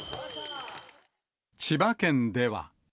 千葉県では。